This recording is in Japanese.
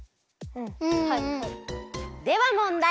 ではもんだい！